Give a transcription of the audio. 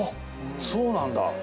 そうなんだ。